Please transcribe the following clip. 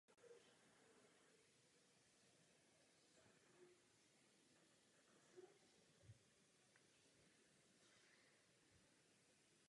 Léčí své osamělé dětství na zámku svého otce v Bretani.